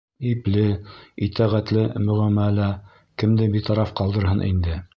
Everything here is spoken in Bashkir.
Ипле, итәғәтле мөғәмәлә кемде битараф ҡалдырһын инде!